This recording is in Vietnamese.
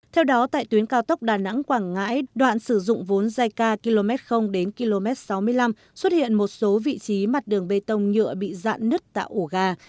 theo đó tại tuyến cao tốc đà nẵng quảng ngãi đoạn sử dụng vốn dài km đến km sáu mươi năm xuất hiện một số vị trí mặt đường bê tông nhựa bị dạn nứt tạo ổ gà